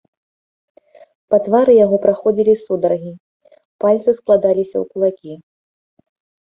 Па твары яго праходзілі сударгі, пальцы складаліся ў кулакі.